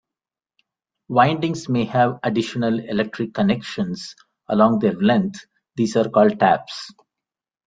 Windings may have additional electrical connections along their length; these are called taps.